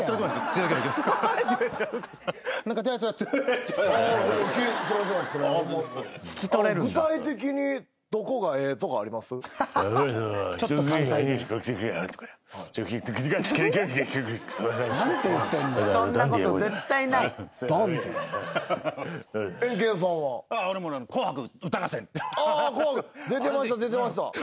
出てました出てました。